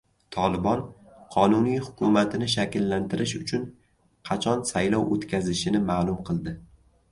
“Tolibon” qonuniy hukumatini shakllantirish uchun qachon saylov o‘tkazishini ma’lum qildi